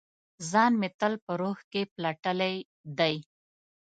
ځان مې تل په روح کې پلټلي دی